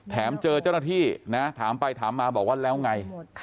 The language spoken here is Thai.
เจอเจ้าหน้าที่นะถามไปถามมาบอกว่าแล้วไง